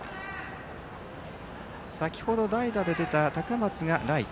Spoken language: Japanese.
先程、代打で出た高松がライト。